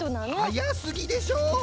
はやすぎでしょ